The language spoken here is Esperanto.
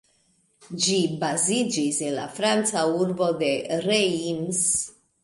Ĝi baziĝis en la Franca urbo de Reims.